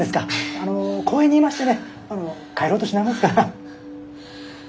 あの公園にいましてね帰ろうとしないものですから。